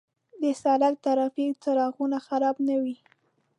د سړک د ترافیک څراغونه خراب نه وي.